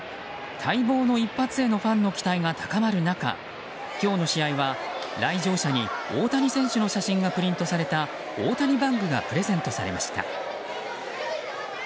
待望の一発へのファンの期待が高まる中今日の試合は、来場者に大谷選手の写真がプリントされた大谷バッグがプレゼントされました。